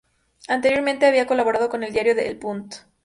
Anteriormente, había colaborado con el diario El Punt.